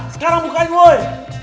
sekarang bukain woy